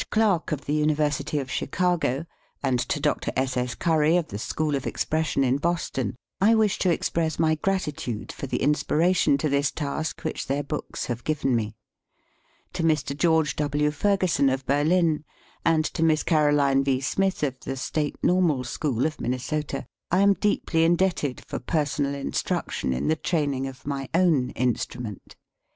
Clark of the University of Chicago, and to Dr. S. S. Curry of the School of Expression in Boston, I wish to express my gratitude for the inspiration to this task, which their books have given me. To Mr. George W. Ferguson of Berlin, and to Miss Caroline V. Smith of the State Normal School of Minnesota, I am deeply indebted for per sonal instruction in the training of my own instrument.